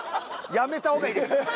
止めた方がいいです。